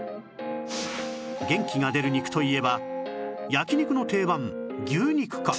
元気が出る肉といえば焼き肉の定番牛肉か？